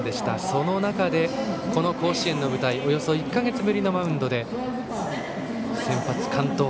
その中で、この甲子園の舞台およそ１か月ぶりのマウンドで先発完投。